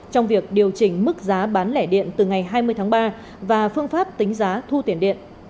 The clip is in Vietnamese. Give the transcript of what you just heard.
trong việc điều chỉnh mức giá bán lẻ điện từ ngày hai mươi tháng ba và phương pháp tính giá thu tiền điện